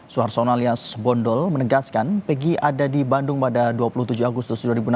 suhartona alias bondol menegaskan pegi ada di bandung pada dua puluh tujuh agustus dua ribu enam belas